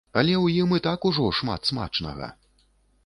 Але ў ім і так ужо шмат смачнага!